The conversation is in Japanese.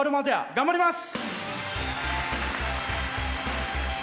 頑張ります！